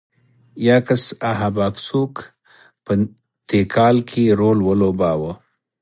یاکس اهب اکسوک په تیکال کې رول ولوباوه.